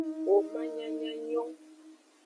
Woman nyanya nyon.